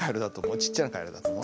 ちっちゃなカエルだと思う？